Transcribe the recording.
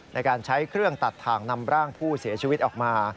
ในการใช้เครื่องตัดถ่างนำร่างผู้เสียชีวิตออกมา